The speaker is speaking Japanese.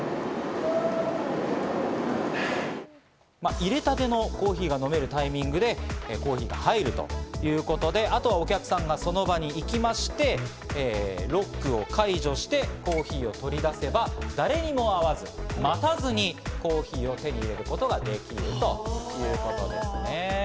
入れたてのコーヒーが飲めるタイミングでコーヒーが入るということで、あとはお客さんがその場に行きまして、ロックを解除してコーヒーを取り出せば誰にも会わず待たずにコーヒーを手に入れることができるということですね。